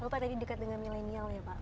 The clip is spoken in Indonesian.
bapak tadi dekat dengan milenial ya pak